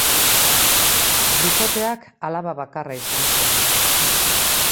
Bikoteak alaba bakarra izan zuen.